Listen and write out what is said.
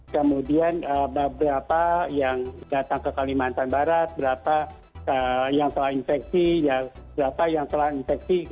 kemudian beberapa yang datang ke kalimantan barat berapa yang telah infeksi berapa yang telah infeksi